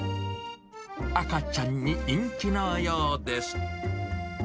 赤ちゃんに人気のようです。